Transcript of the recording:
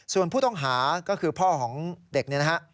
ส่วนผู้ต้องหาก็คือพ่อของเด็กเนี่ยนะฮะ